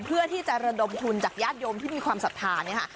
เพื่อที่จะระดมทุนจากญาติโยมที่มีความศรัทธาเนี่ยค่ะ